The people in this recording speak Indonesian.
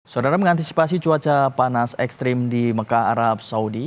saudara mengantisipasi cuaca panas ekstrim di mekah arab saudi